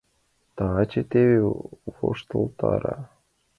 Таче теве воштылтара!..